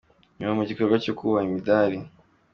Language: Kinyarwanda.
nyuma mu gikorwa cyo kubaha imidari.